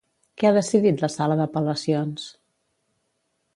Què ha decidit la sala d'apel·lacions?